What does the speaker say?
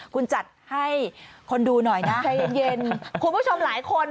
คุณจัดให้คนดูหน่อยนะใจเย็นคุณผู้ชมหลายคน